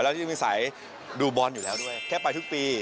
แล้วก็มึงใส่ดูบอลอยู่แล้วด้วยแค่ไปทุกปี